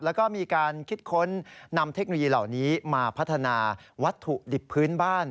แล้วก็มีการคิดค้นนำเทคโนโลยีเหล่านี้มาพัฒนาวัตถุดิบพื้นบ้าน